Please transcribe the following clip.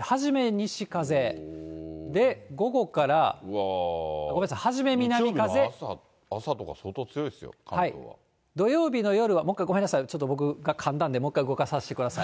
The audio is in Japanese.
初め西風、午後から、ごめんなさい、日曜日の朝とか相当強いです土曜日の夜は、もう一回、ごめんなさい、ちょっと僕、かんだんで、もう１回動かさせてください。